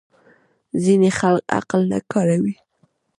ځینې خلک عقل نه کاروي.